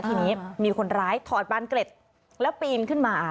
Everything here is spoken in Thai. ทีนี้มีคนร้ายถอดบานเกร็ดแล้วปีนขึ้นมา